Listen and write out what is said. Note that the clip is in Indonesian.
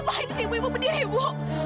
ibu ngapain sih ibu ibu pedih ya ibu